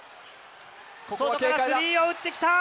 外からスリーを打ってきた。